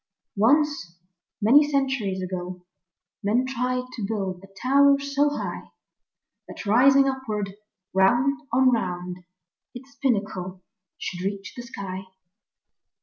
ONCE, many centuries ago, Men tried to build a tower so high That rising upward, round on round, Its pinnacle should reach the sky.